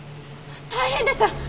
大変です！